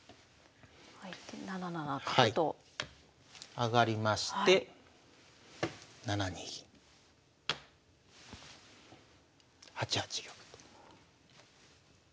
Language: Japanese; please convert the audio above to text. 上がりまして７二銀８八玉と。